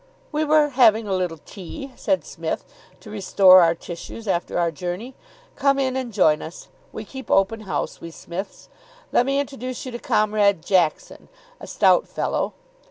] "We were having a little tea," said Psmith, "to restore our tissues after our journey. Come in and join us. We keep open house, we Psmiths. Let me introduce you to Comrade Jackson. A stout fellow.